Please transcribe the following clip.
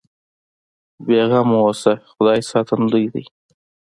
بې غمه اوسه خدای ساتندوی دی.